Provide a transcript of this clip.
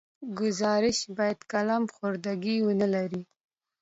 ګزارش باید قلم خوردګي ونه لري.